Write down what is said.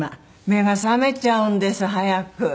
目が覚めちゃうんです早く。